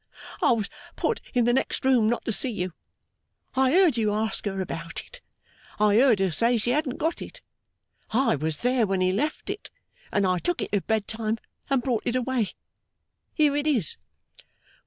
I was put in the next room not to see you. I heard you ask her about it, I heard her say she hadn't got it, I was there when he left it, and I took it at bedtime and brought it away. Here it is!